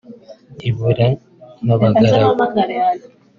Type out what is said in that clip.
ibura n’abagaragu